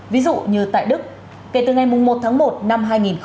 ví dụ như tại đức kể từ ngày một tháng một năm hai nghìn một mươi tám